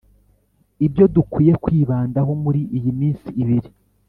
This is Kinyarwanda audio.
Ibyo dukwiye kwibandaho muri iyi iminsi ibiri